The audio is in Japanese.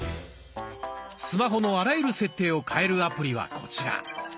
スマホのあらゆる設定を変えるアプリはこちら。